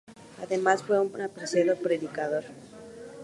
Además, fue un apreciado predicador.